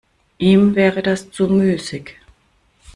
Ihm wäre das zu müßig.